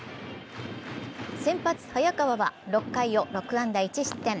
先発・早川は、６回を６安打１失点。